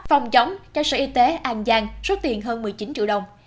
phòng chống các sở y tế an giang số tiền hơn một mươi chín triệu đồng